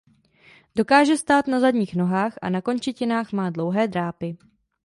Dokáže stát na zadních nohách a na končetinách má dlouhé drápy.